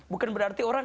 bukan berarti orang